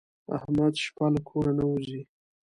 احمد شپه له کوره نه وځي.